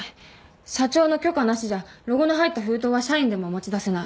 社長の許可なしじゃロゴの入った封筒は社員でも持ち出せない。